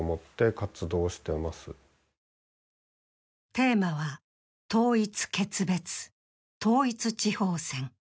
テーマは「統一決別統一地方選」。